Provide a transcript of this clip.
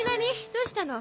どうしたの？